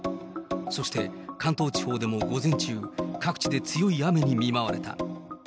そして関東地方でも午前中、各地で強い雨に見舞われた。